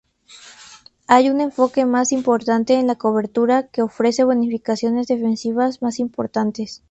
Hay un enfoque más importante en la cobertura, que ofrece bonificaciones defensivas más importantes.